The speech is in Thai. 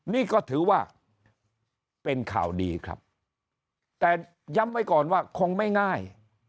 นี่ก็ถือว่าเป็นข่าวดีครับแต่ย้ำไว้ก่อนว่าคงไม่ง่าย